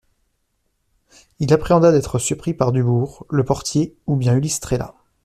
Il appréhenda d'être surpris par Dubourg, le portier ou bien Ulysse Trélat.